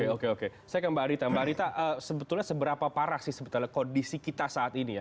oke oke saya ke mbak arita mbak arita sebetulnya seberapa parah sih sebetulnya kondisi kita saat ini ya